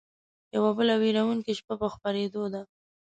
يوه بله وېرونکې شپه په خپرېدو ده